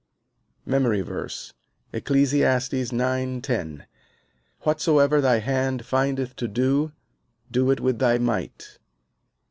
MEMORY VERSE, Ecclesiastes 9: 10 "Whatsoever thy hand findeth to do, do it with thy might."